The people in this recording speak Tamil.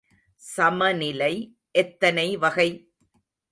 சமநிலை எத்தனை வகை?